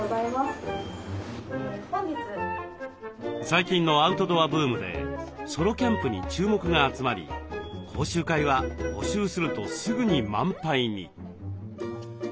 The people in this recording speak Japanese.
最近のアウトドアブームでソロキャンプに注目が集まり講習会は募集するとすぐに満杯に。